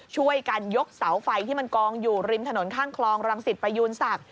ช่วยกันยกเสาไฟที่มันกองอยู่ริมถนนข้างคลองรังสิตประยูนศักดิ